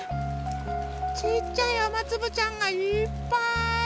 ちいちゃいあまつぶちゃんがいっぱい！